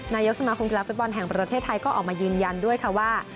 นายกสมาคมกีฬาฟุตบอลแห่งประเทศไทยก็ออกมายืนยันด้วยค่ะว่า